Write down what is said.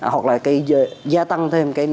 hoặc là gia tăng thêm